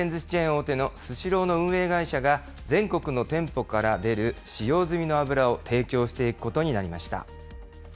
大手のスシローの運営会社が、全国の店舗から出る使用済みの油を提供していくことになりました。